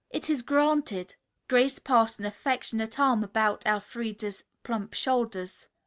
"It is granted." Grace passed an affectionate arm about Elfreda's plump shoulders.